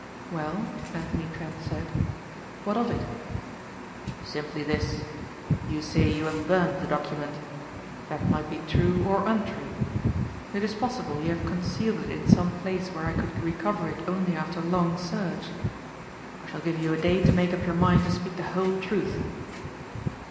"Well?" Anthony Trent said, "What of it?" "Simply this. You say you have burned the document. That might be true or untrue. It is possible you have concealed it in some place where I could recover it only after long search. I shall give you a day to make up your mind to speak the whole truth."